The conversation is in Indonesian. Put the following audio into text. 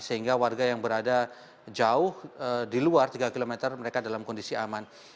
sehingga warga yang berada jauh di luar tiga km mereka dapat menemukan